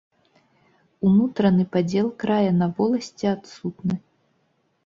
Унутраны падзел края на воласці адсутны.